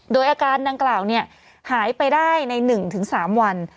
โดยอาการดังกล่าวหายไปได้ใน๑๓วัน